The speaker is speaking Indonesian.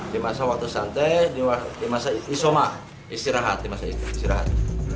di masa waktu santai di masa istirahat